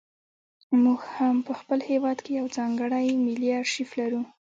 موږ هم په خپل هېواد کې یو ځانګړی ملي ارشیف لرو.